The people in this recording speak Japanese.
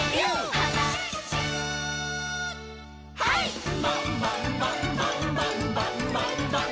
「はい！」「ンバンバンバンバ」「ンバンバンバンバ」